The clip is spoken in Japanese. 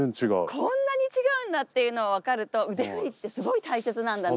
こんなに違うんだっていうのを分かると腕振りってすごい大切なんだなって。